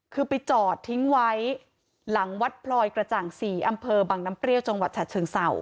คือไปจอดทิ้งไว้หลังวัดพลอยกระจ่างศรีอำเภอบังน้ำเปรี้ยวจังหวัดฉะเชิงเศร้า